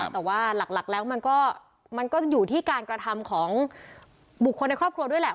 แต่ว่าหลักแล้วมันก็อยู่ที่การกระทำของบุคคลในครอบครัวด้วยแหละ